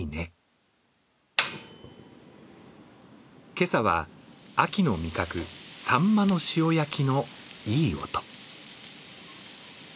今朝は秋の味覚、さんまの塩焼きのいい音。